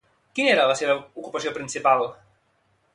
Quina era la seva ocupació principal?